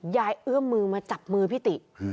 เอื้อมมือมาจับมือพี่ติ